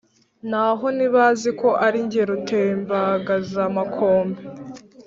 naho ntibaziko ari jye rutembagazamakombe.